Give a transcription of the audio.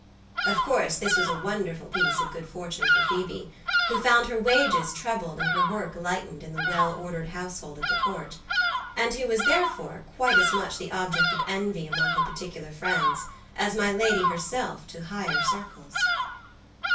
Of course, this was a wonderful piece of good fortune for Phoebe, who found her wages trebled and her work lightened in the well ordered household at the Court; and who was therefore quite as much the object of envy among her particular friends as my lady herself to higher circles.